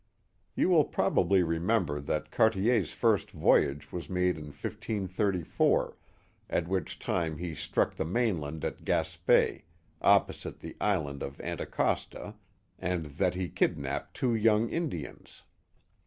You will probably remember that Cartier's first voyage was made in 1534, at which time he struck the mainland at Gaspe, opposite the island of Anticosta, and that he kidnapped two young Indians.